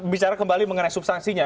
bicara kembali mengenai substansinya